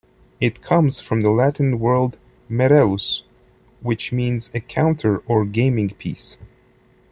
It comes from the Latin word "merellus", which means a counter or gaming piece.